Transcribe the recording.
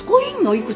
いくつ？